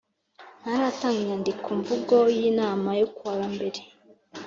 Ntaratanga inyandikomvugo y’inama yo kuwa mbere